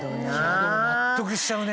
でも納得しちゃうね。